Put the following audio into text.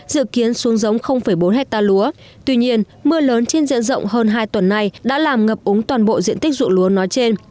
dự kiến xuống giống bốn hectare lúa tuy nhiên mưa lớn trên diện rộng hơn hai tuần nay đã làm ngập úng toàn bộ diện tích dụng lúa nói trên